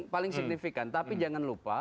paling signifikan tapi jangan lupa